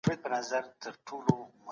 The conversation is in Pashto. مسلمان باید د ذمي ساتنه وکړي.